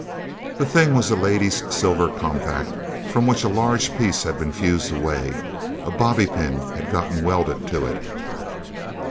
The thing was a lady's silver compact, from which a large piece had been fused away. A bobbypin had gotten welded to it.